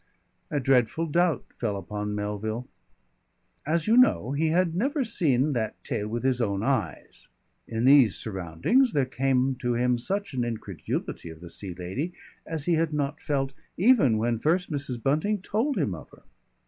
A dreadful doubt fell upon Melville. As you know, he had never seen that tail with his own eyes. In these surroundings there came to him such an incredulity of the Sea Lady as he had not felt even when first Mrs. Bunting told him of her.